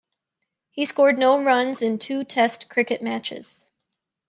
He scored no runs in two Test cricket matches.